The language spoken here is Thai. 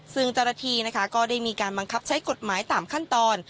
ซึ่งเจ้าหน้าที่นะคะก็ได้มีการบังคับใช้กฎหมายตามขั้นตอน